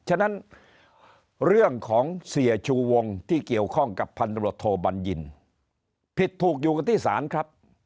ฉะนั้นเรื่องของเสียชูวงที่เกี่ยวข้องกับพันธุรกิจโทบัญญินผิดถูกอยู่กันที่ศาลครับ